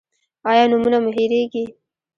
ایا نومونه مو هیریږي؟